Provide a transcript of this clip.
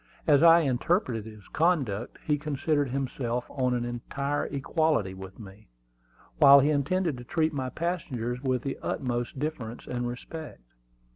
As I interpreted his conduct, he considered himself on an entire equality with me, while he intended to treat my passengers with the utmost deference and respect.